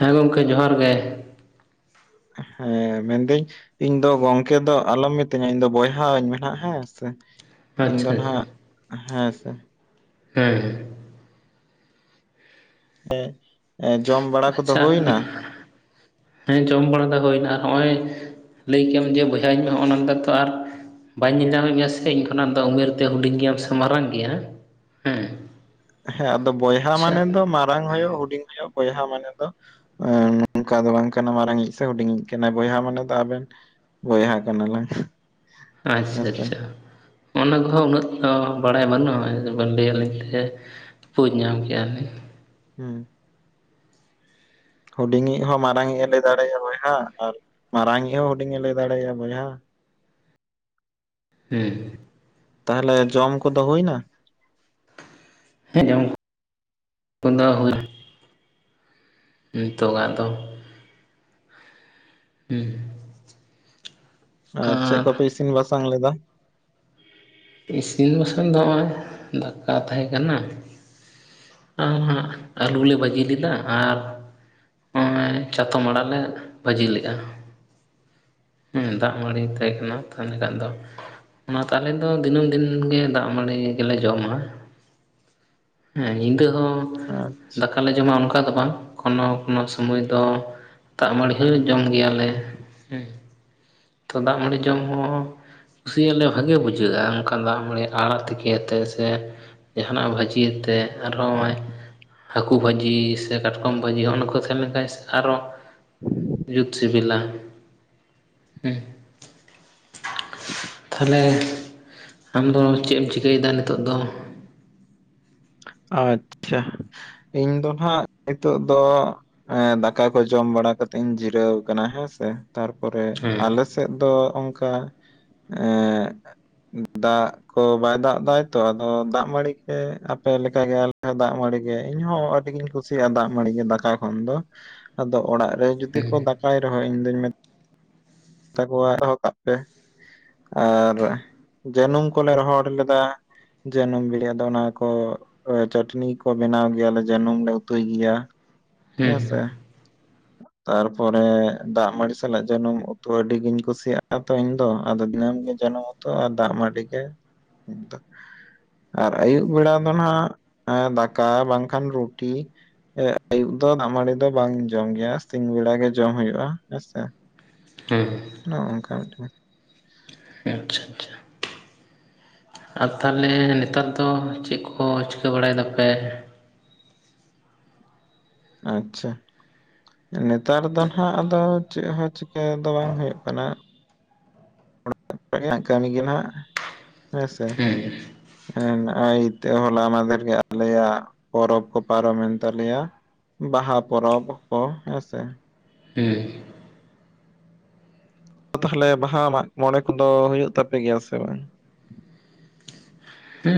ᱦᱮᱸ ᱜᱚᱢᱠᱮ ᱡᱚᱦᱟᱨ ᱜᱮ ᱾ ᱦᱮᱸ ᱢᱮᱱ ᱫᱟᱹᱧ ᱤᱧ ᱫᱚ ᱜᱚᱝᱠᱮ ᱫᱚ ᱟᱞᱚᱢ ᱢᱤᱛᱟᱹᱧᱟ ᱤᱧ ᱫᱚ ᱵᱚᱭᱦᱟ ᱟᱧ ᱢᱮ ᱦᱮᱸ ᱥᱮ ᱤᱧ ᱫᱚ ᱟᱪᱪᱷᱟ ᱱᱟᱜ ᱦᱮᱸ ᱥᱮ ᱦᱮᱸᱻ ᱾ ᱮ ᱡᱚᱢ ᱵᱟᱲᱟ ᱠᱚᱫᱚ ᱟᱪᱪᱷᱟ ᱦᱩᱭᱱᱟ ᱦᱮᱸ ᱡᱚᱢ ᱵᱟᱲᱟ ᱫᱚ ᱦᱩᱭᱱᱟ ᱟᱨ ᱱᱚᱜᱼᱚᱭ ᱞᱟᱹᱭ ᱠᱮ ᱟᱢ ᱡᱮ ᱵᱚᱭᱦᱟ ᱤᱧ ᱱᱚᱜᱼᱚᱭ ᱚᱱᱟᱠᱟ ᱛᱚ ᱟᱨ ᱵᱟᱹᱧ ᱧᱮᱞ ᱧᱟᱢᱮᱫ ᱢᱮᱭᱟ ᱥᱮ ᱤᱧ ᱠᱷᱚᱱᱟᱜ ᱫᱚ ᱩᱢᱮᱨ ᱛᱮ ᱦᱩᱰᱤᱧ ᱜᱮᱭᱟᱢ ᱥᱮ ᱢᱟᱨᱟᱝ ᱜᱮᱭᱟ ᱦᱮᱸ ᱦᱮᱸ ᱟᱫᱚ ᱵᱚᱭᱦᱟ ᱢᱟᱱᱮ ᱟᱪᱪᱷᱟ ᱫᱚ ᱢᱟᱨᱟᱝ ᱦᱩᱭᱩᱜ ᱦᱩᱰᱤᱧ ᱦᱩᱭᱩᱜ ᱵᱚᱭᱦᱟ ᱢᱟᱱᱮ ᱫᱚ ᱱᱚᱝᱠᱟ ᱫᱚ ᱵᱟᱝ ᱠᱟᱱᱟ ᱢᱟᱨᱟᱝᱤᱡ ᱥᱮ ᱦᱩᱰᱤᱧᱤᱡ ᱠᱟᱱᱟ ᱵᱚᱭᱦᱟ ᱢᱟᱱᱮ ᱫᱚ ᱟᱵᱮᱱ ᱵᱚᱭᱦᱟ ᱠᱟᱱᱟ ᱞᱟᱝ ᱟᱪᱷᱟ ᱟᱪᱷᱟ ᱾ ᱚᱱᱟ ᱠᱚᱦᱚᱸ ᱩᱱᱟᱹᱜ ᱵᱟᱲᱟᱭ ᱵᱟᱹᱱᱩᱜᱼᱟ ᱞᱟᱹ ᱟᱹᱞᱤᱧ ᱛᱮ ᱵᱩᱡᱽ ᱧᱟᱢ ᱠᱮᱭᱟ ᱞᱮ ᱦᱮᱸ ᱦᱩᱰᱤᱧᱤᱡ ᱦᱚᱸ ᱢᱟᱨᱟᱝᱤᱡ ᱮ ᱞᱟᱭ ᱫᱟᱲᱮᱭᱟᱜᱼᱟ ᱵᱚᱭᱦᱟ ᱢᱟᱨᱟᱝ ᱤᱡ ᱦᱚᱸ ᱦᱩᱰᱤᱧ ᱤᱡ ᱮ ᱞᱟᱹᱭ ᱫᱟᱲᱮ ᱟᱭᱟ ᱵᱚᱭᱦᱟ ᱦᱩᱸ ᱛᱟᱦᱚᱞᱮ ᱡᱚᱢ ᱠᱚᱫᱚ ᱦᱩᱭ ᱮᱱᱟ ᱾ ᱦᱮᱸ ᱡᱚᱢ ᱠᱚᱫᱚ ᱦᱩᱭ [inaudible] ᱱᱤᱛᱚᱜᱟᱜ ᱫᱚ ᱦᱩᱸ ᱟᱨ ᱪᱮᱫ ᱠᱚᱯᱮ ᱤᱥᱤᱱ ᱵᱟᱥᱟᱝ ᱞᱮᱫᱟ? ᱤᱥᱤᱱ ᱵᱟᱥᱟᱝ ᱫᱚ ᱱᱚᱜᱼᱚᱭ ᱫᱟᱠᱟ ᱛᱟᱦᱮᱸ ᱠᱟᱱᱟ ᱾ ᱟᱨ ᱦᱟᱸᱜ ᱟᱹᱞᱩ ᱞᱮ ᱵᱟᱹᱡᱤᱞ ᱞᱮᱫᱟ ᱟᱨ ᱱᱚᱜᱼᱚᱭ ᱪᱟᱛᱚᱢ ᱟᱲᱟᱜ ᱞᱮ ᱵᱷᱟᱹᱡᱤ ᱞᱮᱜᱼᱟ ᱾ ᱦᱮᱸ ᱫᱟᱜ ᱢᱟᱹᱲᱤ ᱛᱟᱦᱮᱸ ᱠᱟᱱᱟ ᱛᱟᱦᱚᱞᱮ ᱠᱷᱟᱱ ᱫᱚ ᱚᱱᱟᱛᱮ ᱟᱞᱮ ᱫᱚ ᱫᱚ ᱫᱤᱱᱟᱹᱢ ᱫᱤᱱ ᱜᱮ ᱫᱟᱜ ᱢᱟᱹᱲᱤ ᱜᱮᱞᱮ ᱡᱚᱢᱟ ᱦᱮᱸ ᱧᱤᱫᱟᱹ ᱦᱚᱸ ᱫᱟᱠᱟ ᱵᱟᱞᱮ ᱡᱚᱢᱟ ᱚᱱᱠᱟ ᱫᱚ ᱵᱟᱝ ᱠᱳᱱᱳ ᱠᱳᱱᱳ ᱥᱚᱢᱚᱭ ᱫᱚ ᱫᱟᱜ ᱢᱟᱹᱲᱤ ᱦᱚᱸ ᱡᱚᱢ ᱜᱮᱭᱟᱞᱮ ᱦᱮᱸ ᱛᱚ ᱫᱟᱜ ᱢᱟᱹᱰᱤ ᱡᱚᱢ ᱦᱚᱸ ᱠᱩᱥᱤᱭᱟᱜ ᱞᱮ ᱵᱷᱟᱜᱮ ᱵᱩᱡᱷᱟᱹᱜᱼᱟ ᱚᱱᱠᱟ ᱫᱟᱜ ᱢᱟᱹᱲᱤ ᱟᱲᱟᱜ ᱛᱤᱠᱤᱭᱟᱛᱮ ᱥᱮ ᱡᱟᱦᱟᱱᱟᱜ ᱵᱷᱟᱹᱡᱤᱭᱟ ᱛᱮ ᱟᱨᱦᱚᱸ ᱱᱚᱜᱼᱚᱭ ᱦᱟᱹᱠᱩ ᱵᱷᱟᱹᱡᱤ ᱥᱮ ᱠᱟᱴᱠᱚᱢ ᱵᱷᱟᱹᱡᱤ ᱦᱚᱜᱼ ᱱᱟ ᱠᱚ ᱛᱟᱦᱮᱸ ᱞᱮᱱᱠᱷᱟᱱ ᱥᱮ ᱟᱨᱚ ᱡᱩᱛ ᱥᱤᱵᱤᱞᱟ ᱦᱮᱸ ᱛᱟᱦᱚᱞᱮ ᱟᱢ ᱫᱚ ᱪᱮᱫ ᱮᱢ ᱪᱤᱠᱟᱹᱭᱮᱫᱟ ᱱᱤᱛᱚᱜ ᱫᱚ? ᱟᱪᱪᱷᱟ ᱤᱧ ᱫᱚ ᱱᱟᱜ ᱱᱤᱛᱚᱜ ᱫᱚ ᱮ ᱫᱟᱠᱟ ᱠᱚ ᱡᱚᱢ ᱵᱟᱲᱟ ᱠᱟᱛᱮ ᱤᱧ ᱡᱤᱨᱟᱹᱣ ᱟᱠᱟᱱᱟ ᱦᱮᱸ ᱥᱮ ᱛᱟᱨᱯᱚᱨᱮ ᱦᱮᱸ ᱟᱞᱮ ᱟᱞᱮ ᱥᱮᱫ ᱫᱚ ᱚᱱᱠᱟ ᱮ ᱫᱟᱜ ᱠᱚ ᱵᱟᱭ ᱫᱟᱜ ᱫᱟ ᱛᱚ ᱟᱫᱚ ᱫᱟᱜ ᱢᱟᱹᱲᱤ ᱜᱮ ᱟᱯᱮ ᱞᱮᱠ ᱜᱮ ᱫᱟᱜ ᱢᱟᱹᱲᱤ ᱜᱮ ᱤᱧᱦᱚᱸ ᱟᱹᱰᱤ ᱜᱤᱧ ᱠᱩᱥᱤᱭᱟᱜᱼᱟ ᱫᱟᱜ ᱢᱟᱹᱲᱤ ᱜᱮ ᱫᱟᱠᱟ ᱠᱷᱚᱱ ᱫᱚ ᱟᱫᱚ ᱚᱲᱟᱜ ᱨᱮ ᱡᱩᱫᱤ ᱠᱚ ᱫᱟᱠᱟᱭ ᱨᱮᱦᱚᱸ ᱤᱧ ᱫᱩᱧ ᱢᱮᱛ ᱛᱟᱯᱚᱨ ᱫᱚᱦᱚ ᱠᱟᱜ ᱜᱮ ᱟᱨ ᱡᱟᱹᱱᱩᱢ ᱠᱚᱞᱮ ᱨᱚᱦᱚᱲ ᱞᱮᱫᱟ ᱡᱟᱹᱱᱩᱢ ᱵᱤᱞᱤᱭᱟ ᱫᱚ ᱚᱱᱟ ᱠᱚ ᱪᱟᱹᱴᱱᱤ ᱠᱚ ᱵᱮᱱᱟᱣ ᱜᱮᱭᱟᱞᱮ ᱡᱟᱹᱱᱩᱢ ᱞᱮ ᱩᱛᱩᱭ ᱜᱮᱭᱟ ᱦᱮᱸ ᱥᱮ ᱛᱟᱨᱯᱚᱨᱮ ᱫᱟᱜ ᱢᱟᱹᱲᱤ ᱥᱟᱞᱟᱜ ᱡᱟᱹᱱᱢ ᱩᱛᱩ ᱟᱹᱰᱤᱜᱤᱧ ᱠᱩᱥᱤᱭᱟᱜᱼᱟ ᱛᱚ ᱤᱧ ᱫᱚ ᱟᱫᱚ ᱫᱤᱱᱟᱹᱢ ᱜᱮ ᱡᱟᱱᱩᱢ ᱩᱛᱩ ᱟᱨ ᱫᱟᱜ ᱢᱟᱺᱰᱤ ᱜᱮ ᱤᱧ ᱫᱚ ᱟᱨ ᱟᱹᱭᱩᱵ ᱵᱮᱲᱟ ᱫᱚ ᱱᱟᱜ ᱫᱟᱠᱟ ᱵᱟᱝᱠᱷᱟᱱ ᱨᱩᱴᱤ ᱟᱹᱭᱩᱵ ᱫᱚ ᱫᱟᱜ ᱢᱟᱹᱰᱤ ᱫᱚ ᱵᱟᱝ ᱡᱚᱢ ᱜᱮᱭᱟ ᱥᱤᱧ ᱵᱮᱲᱟ ᱜᱮ ᱡᱚᱢ ᱦᱩᱭᱩᱜᱼᱟ ᱦᱮᱸᱥᱮ ᱦᱩᱸ ᱱᱚᱝᱠᱟ ᱢᱤᱫᱴᱮᱱ ᱟᱪᱪᱷᱟ ᱟᱪᱪᱷᱟ ᱾ ᱟᱨ ᱛᱟᱦᱚᱞᱮ ᱱᱮᱛᱟᱨ ᱫᱚ ᱪᱮᱫ ᱠᱚ ᱪᱤᱠᱟᱹ ᱵᱟᱲᱟᱭ ᱫᱟᱯᱮ! ᱟᱪᱪᱷᱟ᱾ ᱱᱮᱛᱟᱨ ᱫᱚ ᱱᱟᱜ ᱟᱫᱚ ᱪᱮᱜ ᱦᱚᱸ ᱪᱤᱠᱟᱹ ᱫᱚ ᱵᱟᱝ ᱦᱳᱭᱳᱜ ᱠᱟᱱᱟ ᱚᱲᱟᱜ ᱠᱚᱨᱮᱱᱟᱜ ᱠᱟᱹᱢᱤ ᱜᱮ ᱱᱟᱸᱜ ᱦᱮᱸ ᱥᱮ ᱦᱮᱸ ᱱᱚᱜᱼᱚᱭ ᱛᱚ ᱦᱚᱞᱟ ᱢᱟᱸᱫᱷᱮᱨ ᱜᱮ ᱟᱞᱮᱭᱟᱜ ᱯᱚᱨᱚᱵᱽ ᱠᱚ ᱯᱟᱨᱚᱢᱮᱱ ᱛᱟᱞᱮᱭᱟ ᱵᱟᱦᱟ ᱯᱚᱨᱚᱵᱽ ᱠᱚ ᱦᱮᱸᱥᱮ ᱦᱩᱸ ᱛᱟᱦᱚᱞᱮ ᱵᱟᱦᱟ ᱢᱟᱜ ᱢᱚᱬᱮ ᱠᱚᱫᱚ ᱦᱩᱭᱩᱜ ᱛᱟᱯᱮ ᱜᱮᱭᱟ ᱥᱮ ᱵᱟᱝ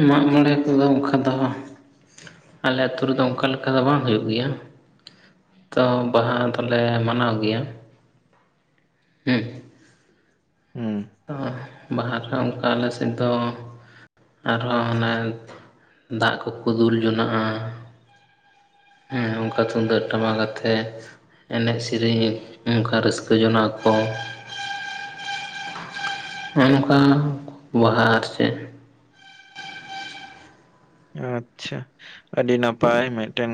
ᱢᱟᱜ ᱢᱚᱬᱮ ᱠᱚᱫᱚ ᱚᱝᱠᱟ ᱫᱚ ᱟᱞᱮ ᱟᱹᱛᱩ ᱨᱮᱫᱚ ᱚᱝᱠᱟ ᱞᱮᱠᱟ ᱫᱚ ᱵᱟᱝ ᱦᱩᱭᱩᱜ ᱜᱮᱭᱟ ᱛᱚ ᱵᱟᱦᱟ ᱫᱚᱞᱮ ᱢᱟᱱᱟᱣ ᱜᱮᱭᱟ ᱦᱩᱸ ᱦᱮᱸ ᱵᱟᱦᱟ ᱨᱮ ᱚᱱᱠᱟ ᱟᱞᱮ ᱥᱮᱫ ᱫᱚ ᱟᱨᱦᱚᱸ ᱦᱟᱱᱮ ᱫᱟᱜ ᱠᱚᱠᱚ ᱫᱩᱞ ᱡᱚᱱᱟᱜᱼᱟ ᱦᱩᱸ ᱚᱝᱠᱟ ᱛᱩᱢᱫᱟᱜ ᱴᱟᱢᱟᱠ ᱟᱛᱮᱜ ᱮᱱᱮᱡ ᱥᱮᱨᱮᱧ ᱚᱝᱠᱟ ᱨᱟᱹᱥᱠᱟᱹ ᱡᱚᱱᱟᱜ ᱟᱠᱚ ᱦᱚᱸᱜᱼ ᱱᱚᱝᱠᱟ ᱵᱚᱦᱟ ᱟᱨ ᱪᱮᱫ ᱟᱪᱪᱷᱟ ᱟᱹᱰᱤ ᱱᱟᱯᱟᱭ ᱢᱮᱫᱴᱮᱱ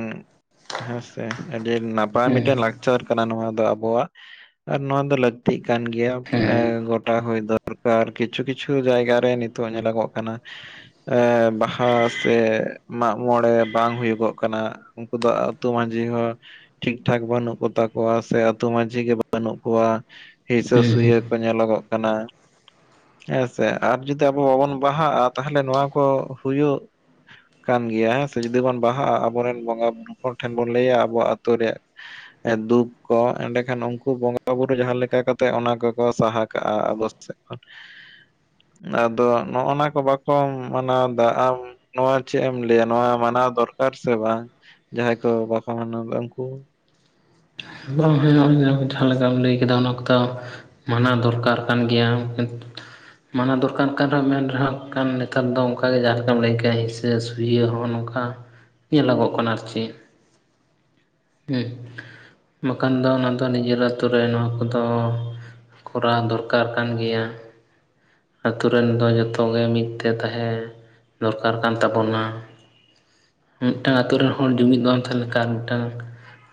ᱦᱮᱸᱥᱮ ᱟᱹᱰᱤ ᱱᱟᱯᱟᱭ ᱦᱮᱸ ᱢᱤᱫᱴᱮᱱ ᱞᱟᱠᱪᱟᱨ ᱠᱟᱱᱟ ᱱᱚᱣᱟ ᱫᱚ ᱟᱵᱚᱣᱟᱜ ᱟᱨ ᱱᱚᱶᱟ ᱫᱚ ᱞᱟᱹᱠᱛᱤᱜ ᱠᱟᱱ ᱜᱮᱭᱟ ᱦᱮᱸ ᱮᱸ ᱜᱚᱴᱟ ᱦᱳᱭ ᱫᱚᱨᱠᱟᱨ ᱠᱤᱪᱷᱩ ᱠᱤᱪᱷᱩ ᱡᱟᱭᱜᱟ ᱨᱮ ᱱᱤᱛ ᱱᱤᱛᱚᱜ ᱧᱮᱞᱚᱜᱚᱜ ᱠᱟᱱᱟ ᱵᱟᱦᱟ ᱥᱮ ᱢᱟᱜ ᱢᱚᱲᱮ ᱵᱟᱝ ᱦᱩᱭᱩᱜᱚᱜ ᱠᱟᱱᱟ ᱩᱱᱠᱩ ᱫᱚ ᱟᱹᱛᱩ ᱢᱟᱺᱡᱷᱤ ᱦᱚᱸ ᱴᱷᱤᱠ ᱴᱷᱟᱠ ᱵᱟᱹᱱᱩᱜ ᱠᱚ ᱛᱟᱠᱚᱣᱟ ᱥᱮ ᱟᱛᱳ ᱢᱟᱺᱡᱷᱤ ᱜᱮ ᱵᱟᱹᱱᱩᱜ ᱠᱚᱣᱟ ᱦᱤᱥᱟᱹ ᱦᱮᱸ ᱦᱮᱸ ᱥᱩᱭᱟᱹ ᱠᱚ ᱧᱮᱞᱚᱜᱚᱜ ᱠᱟᱱᱟ ᱦᱮᱸ ᱥᱮ ᱟᱨ ᱡᱩᱫᱤ ᱟᱵᱚ ᱵᱟᱵᱚᱱ ᱵᱟᱦᱟᱜᱼᱟ ᱛᱟᱦᱚᱞᱮ ᱱᱚᱣᱟ ᱠᱚ ᱦᱩᱭᱩᱜ ᱠᱟᱱ ᱜᱮᱭᱟ ᱦᱮᱸᱥᱮ ᱡᱩᱫᱤ ᱵᱚᱱ ᱵᱟᱦᱟᱜᱼᱟ ᱟᱵᱚᱨᱮᱱ ᱵᱚᱸᱜᱟ ᱵᱩᱨᱩ ᱠᱚ ᱴᱷᱮᱱ ᱵᱚᱱ ᱞᱮᱭᱟ ᱟᱵᱚ ᱟᱹᱛᱳ ᱨᱮᱭᱟᱜ ᱫᱩᱠ ᱠᱚ ᱮᱸᱰᱮᱠᱷᱟᱱ ᱩᱱᱠᱩ ᱵᱚᱸᱜᱟ ᱵᱩᱨᱩ ᱡᱟᱦᱟᱸ ᱞᱮᱠᱟ ᱠᱟᱛᱮᱜ ᱚᱱᱟ ᱠᱚᱠᱚ ᱥᱟᱦᱟ ᱠᱟᱜᱼᱟ ᱟᱵᱳ ᱥᱮᱫᱽᱠᱷᱚᱱ [inaudible] ᱟᱫᱚ ᱱᱚᱜ ᱱᱟ ᱠᱚ ᱵᱟᱠᱚ ᱢᱟᱱᱟᱣ ᱫᱟ ᱟᱢ ᱱᱚᱣᱟ ᱪᱮᱜ ᱮᱢ ᱞᱟᱹᱭᱟ ᱱᱚᱣᱟ ᱢᱟᱱᱟᱣ ᱫᱚᱨᱠᱟᱨ ᱥᱮ ᱵᱟᱝ ᱡᱟᱦᱟᱸᱭ ᱠᱚ ᱵᱟᱠᱚ ᱢᱟᱱᱟᱣᱫᱟ ᱩᱱᱠᱩ ᱵᱟᱝ ᱦᱩᱭᱩᱜᱼᱟ ᱡᱟᱦᱟᱸ ᱞᱮᱠᱟᱢ ᱞᱮᱭ ᱠᱮᱫᱟ ᱩᱱᱟ ᱠᱚᱫᱚ ᱢᱟᱱᱟᱣ ᱫᱚᱨᱠᱟᱨ ᱠᱟᱱ ᱜᱮᱭᱟ᱾ ᱢᱟᱱᱟᱣ ᱫᱚᱨᱠᱟᱨ ᱠᱟᱱ ᱨᱮᱦᱚᱸ ᱢᱮᱱ ᱨᱮᱦᱚᱸ ᱠᱟᱱ ᱱᱮᱛᱟᱨ ᱫᱚ ᱚᱝᱠᱟᱜᱮ ᱡᱟᱦᱟᱸ ᱞᱮᱠᱟᱢ ᱞᱮᱭ ᱠᱮᱜᱼᱟ ᱥᱮ ᱥᱩᱭᱟᱹ ᱦᱚᱸ ᱱᱚᱝᱠᱟ ᱧᱮᱞᱚᱜᱚᱜ ᱠᱟᱱᱟ ᱟᱨ ᱪᱮᱫ [unintelligible] ᱵᱟᱠᱷᱟᱱ ᱫᱚ ᱚᱱᱟ ᱫᱚ ᱱᱤᱡᱮᱨ ᱟᱛᱳ ᱨᱮ ᱱᱚᱣᱟ ᱠᱚᱫᱚ ᱠᱚᱨᱟᱣ ᱫᱚᱨᱠᱟᱨ ᱠᱟᱱ ᱜᱮᱭᱟ ᱟᱛᱩ ᱨᱮᱱ ᱫᱚ ᱡᱚᱛᱚ ᱜᱮ ᱢᱤᱫ ᱛᱮ ᱛᱟᱦᱮᱸ ᱫᱚᱨᱠᱟᱨ ᱠᱟᱱ ᱛᱟᱵᱚᱱᱟ ᱢᱤᱫᱴᱟᱝ ᱟᱛᱳ ᱨᱮᱱ ᱦᱚᱲ ᱡᱩᱢᱤᱫ ᱵᱟᱢ ᱛᱟᱦᱮᱞᱮᱠᱷᱟᱱ ᱢᱤᱫᱴᱟᱝ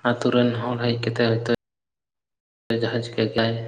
ᱟᱛᱳ ᱨᱮᱱ ᱦᱚᱲ ᱦᱮᱡ ᱠᱟᱛᱮ ᱦᱳᱭ ᱛᱚ ᱡᱟᱦᱟ ᱪᱤᱠᱟᱹᱜ ᱜᱮᱭᱟᱭ